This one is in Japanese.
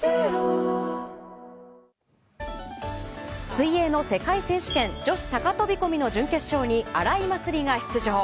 水泳の世界選手権女子高飛込の準決勝に荒井祭里選手が出場。